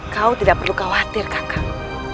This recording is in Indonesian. kau tidak perlu khawatir kakak